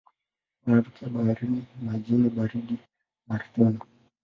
Wanatokea baharini, majini baridi na ardhini.